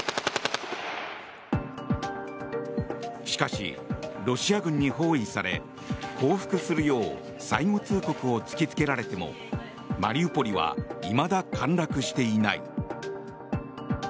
しかし、ロシア軍に包囲され降伏するよう最後通告を突きつけられてもマリウポリはいまだ陥落していない。